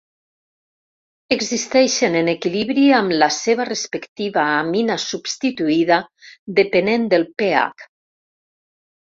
Existeixen en equilibri amb la seva respectiva amina substituïda, depenent del pH.